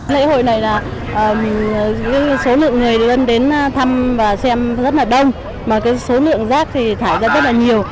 lễ hội này là số lượng người dân đến thăm và xem rất là đông mà số lượng rác thì thải ra rất là nhiều